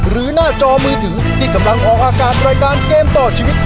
หน้าจอมือถึงที่กำลังออกอากาศรายการเกมต่อชีวิต